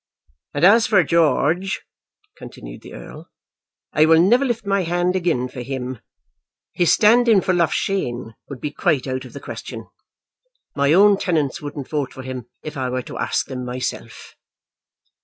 "And as for George," continued the Earl, "I will never lift my hand again for him. His standing for Loughshane would be quite out of the question. My own tenants wouldn't vote for him if I were to ask them myself.